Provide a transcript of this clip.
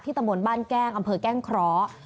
ตำบลบ้านแก้งอำเภอแก้งเคราะห์